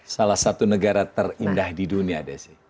salah satu negara terindah di dunia